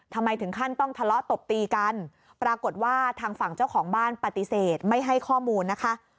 ถึงขั้นต้องทะเลาะตบตีกันปรากฏว่าทางฝั่งเจ้าของบ้านปฏิเสธไม่ให้ข้อมูลนะคะ